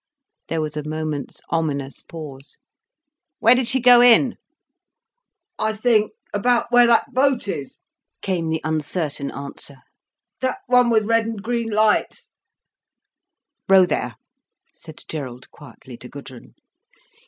There was a moment's ominous pause. "Where did she go in?" "I think—about where that boat is," came the uncertain answer, "that one with red and green lights." "Row there," said Gerald quietly to Gudrun.